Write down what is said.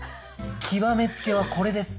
極めつけはこれです。